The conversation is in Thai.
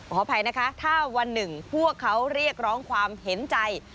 ขออภัยนะคะถ้าวันหนึ่งพวกเขาเรียกร้องความเห็นใจ